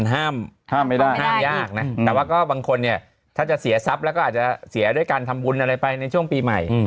แต่ว่าก็บางคนนี้ถ้าจะเสียทรัพย์แล้วก็อาจจะเสียไปการทำบุญอะไรไปปีใหม่